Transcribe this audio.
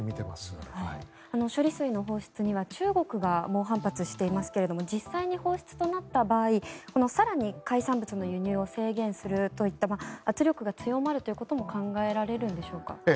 この処理水の放出には中国が猛反発していますが実際に放出となった場合更に海産物の輸入を制限するといった圧力が強まるということも考えられるんでしょうか。